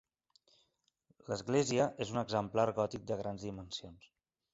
L'església és un exemplar gòtic de grans dimensions.